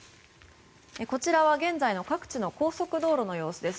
こちらは現在の各地の高速道路の様子です。